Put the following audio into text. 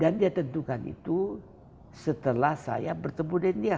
dan dia tentukan itu setelah saya bertemu dengan dia